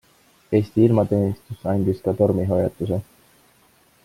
Eesti ilmateenistus andis ka tormihoiatuse.